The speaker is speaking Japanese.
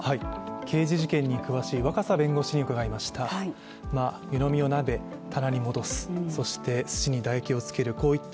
刑事事件に詳しい若狭弁護士に伺いました。